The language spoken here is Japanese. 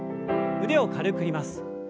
腕を軽く振ります。